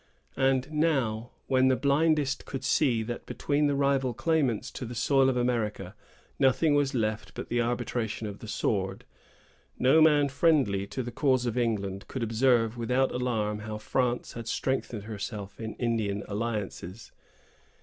And now, when the blindest could see that between the rival claimants to the soil of America nothing was left but the arbitration of the sword, no man friendly to the cause of England could observe without alarm how France had strengthened herself in Indian alliances.